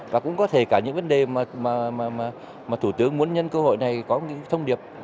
và cũng có thể cả những vấn đề mà thủ tướng muốn nhân cơ hội này có những thông điệp